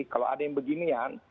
kalau ada yang beginian